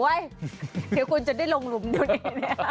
เฮ้ยเดี๋ยวคุณจะได้ลงหลุมเดี๋ยวนี้